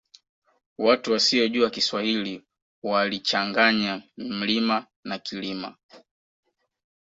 Watu wasiyojua kiswahili walichanganya mlima na kilima